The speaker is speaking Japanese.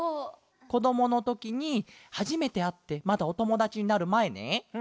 こどものときにはじめてあってまだおともだちになるまえね。